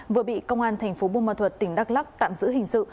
vừa bị công an thành phố bù mà thuật tỉnh đắk lắc tạm giữ hình sự